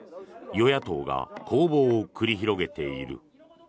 与野党が攻防を繰り広げている。